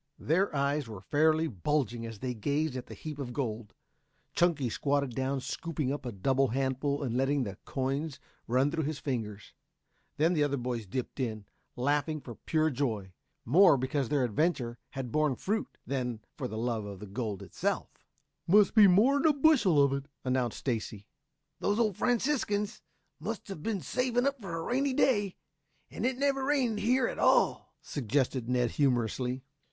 Their eyes were fairly bulging as they gazed at the heap of gold. Chunky squatted down scooping up a double handful and letting the coins run through his fingers. Then the other boys dipped in, laughing for pure joy, more because their adventure had borne fruit than for the love of the gold itself. "Must be more'n a bushel of it," announced Stacy. "Those old Franciscans must have been saving up for a rainy day. And it never rained here at all," suggested Ned humorously.